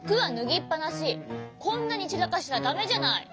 こんなにちらかしちゃダメじゃない！